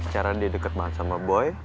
cara dia deket banget sama boy